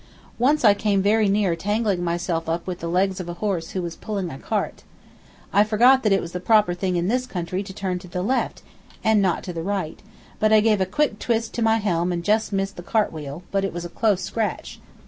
Once I came very near tangling myself up with the legs of a horse who was pulling a cart. I forgot that it was the proper thing in this country to turn to the left, and not to the right, but I gave a quick twist to my helm and just missed the cart wheel, but it was a close scratch.